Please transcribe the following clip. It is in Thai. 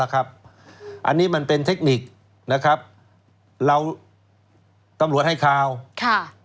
อันนี้มันเป็นเทคนิคนะครับเราตำรวจให้ข่าวค่ะ